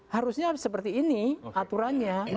harusnya seperti ini aturannya